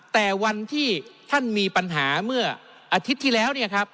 แต่วันที่ท่านมีปัญหาเมื่ออาทิตย์ที่แล้วเนี่ยครับ